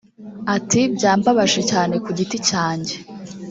Ati "Byambabaje cyane ku giti cyanjye